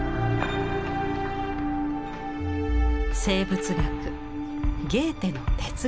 生物学ゲーテの哲学。